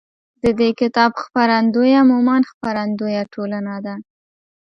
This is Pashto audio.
د دې کتاب خپرندویه مومند خپروندویه ټولنه ده.